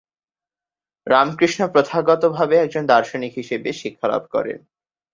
রামকৃষ্ণ প্রথাগতভাবে একজন দার্শনিক হিসেবে শিক্ষালাভ করেননি।